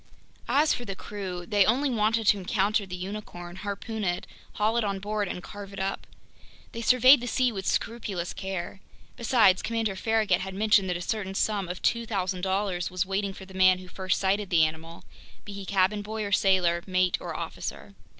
As for the crew, they only wanted to encounter the unicorn, harpoon it, haul it on board, and carve it up. They surveyed the sea with scrupulous care. Besides, Commander Farragut had mentioned that a certain sum of $2,000.00 was waiting for the man who first sighted the animal, be he cabin boy or sailor, mate or officer.